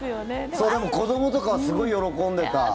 でも、子どもとかはすごい喜んでた。